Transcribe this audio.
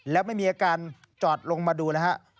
แล้วไม่มีอาการจอดลงมาดูนะฮะ